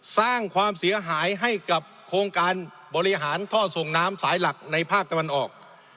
สร้างความเสียหายให้กับโครงการบริหารท่อส่งน้ำสายหลักในภาคตะวันออก